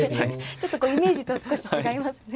ちょっとこうイメージと少し違いますね。